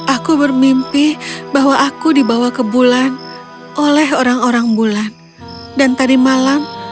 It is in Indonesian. aku bermimpi bahwa aku dibawa ke bulan oleh orang orang bulan dan tadi malam